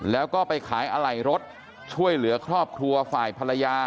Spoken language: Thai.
แล้วก็ไปขายอะไหล่รถช่วยเหลือครอบครัวฝ่ายภรรยา